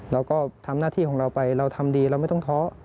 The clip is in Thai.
เราก็ทำหน้าที่ของเราไปเราทำดีเราไม่ต้องท้อ